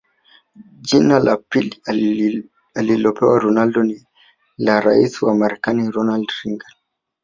Jina la pili alilopewa Ronaldo ni la rais wa Marekani Ronald Reagan